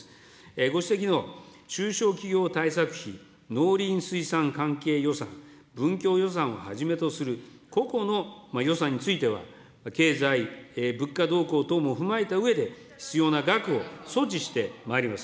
ご指摘の中小企業対策費、農林水産関係予算、文教予算をはじめとする、個々の予算については、経済、物価動向等も踏まえたうえで、必要な額を措置してまいります。